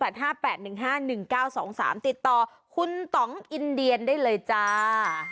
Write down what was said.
ติดต่อคุณต่องอินเดียนได้เลยจ้า